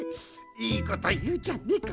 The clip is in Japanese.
いいこというじゃねえか。